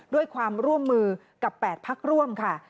ด้วยความร่วมมือกับ๘พักร่วมค่ะ